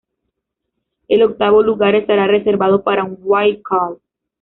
El octavo lugar estará reservado para un wildcard.